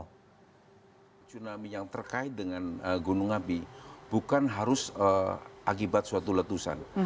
tsunami yang terkait dengan gunung api bukan harus akibat suatu letusan